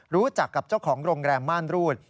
รู้จักกับเจ้าของโรงแรมม่านรูด